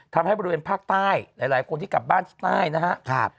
ทำให้บริเวณภาคใต้หลายคนที่กลับบ้านที่ใต้นะครับ